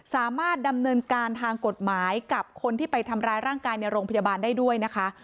สามารถดำเนินการทางกฎหมายกับคนที่ไปทำร้ายร่างกายในโรงพยาบาลได้ด้วยนะคะ